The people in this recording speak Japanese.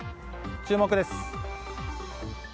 注目です。